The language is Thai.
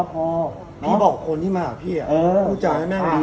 พี่บอกคนที่มาพูดดี